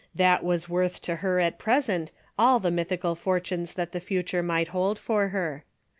That was worth to her at present all the mythical fortunes that the future might hold for her.